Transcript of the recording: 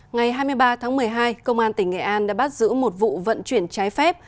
ngày hai mươi ba tháng một mươi hai công an tỉnh nghệ an đã bắt giữ một vụ vận chuyển trái phép